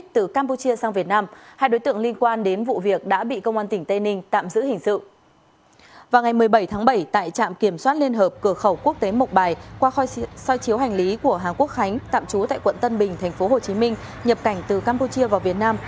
tạm trú tại quận tân bình tp hcm nhập cảnh từ campuchia vào việt nam